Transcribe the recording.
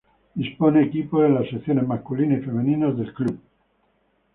Dispone equipos en las secciones masculinas y femeninas del club.